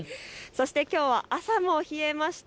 きょうは朝も冷えました。